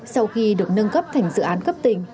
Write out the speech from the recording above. sau khi được nâng cấp thành dự án cấp tỉnh